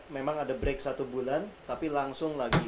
memang ada break satu bulan tapi langsung lagi